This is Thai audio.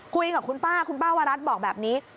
คุยกับคุณป้าคุณป้าวรัฐบอกแบบนี้